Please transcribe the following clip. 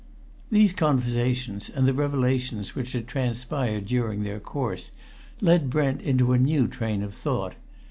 These conversations, and the revelations which had transpired during their course led Brent into a new train of thought.